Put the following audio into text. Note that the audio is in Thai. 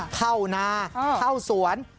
เข้านาเข้าสวน